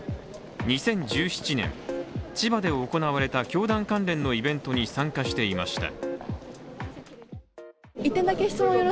２０１７年、千葉で行われた教団関連のイベントに参加していました。